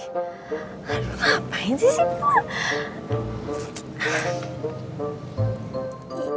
aduh ngapain sih si bella